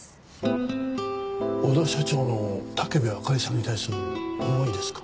小田社長の武部あかりさんに対する思いですか？